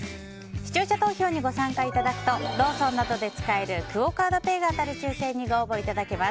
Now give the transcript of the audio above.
視聴者投票にご参加いただくとローソンなどで使えるクオ・カードペイが当たる抽選にご応募いただけます。